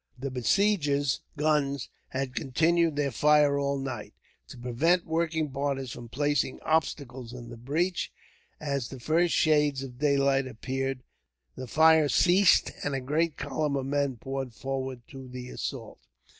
The besiegers' guns had continued their fire all night, to prevent working parties from placing obstacles in the breach. As the first shades of daylight appeared the fire ceased, and a great column of men poured forward to the assault.